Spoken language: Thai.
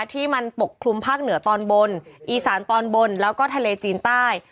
ที่มันปกคลุมภาคเหนือตอนบนอีสานตอนบนแล้วก็ทะเลจีนใต้